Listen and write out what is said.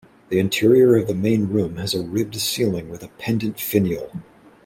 The interior of the main room has a ribbed ceiling with a pendant finial.